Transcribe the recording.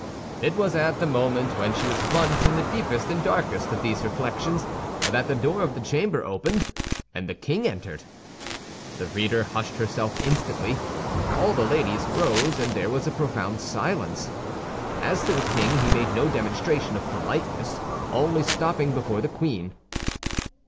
It was at the moment when she was plunged in the deepest and darkest of these reflections that the door of the chamber opened, and the king entered. The reader hushed herself instantly. All the ladies rose, and there was a profound silence. As to the king, he made no demonstration of politeness, only stopping before the queen.